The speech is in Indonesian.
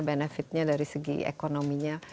benefitnya dari segi ekonominya